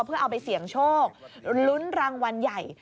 เพื่อเอาไปเสี่ยงโชคลุ้นรางวัลใหญ่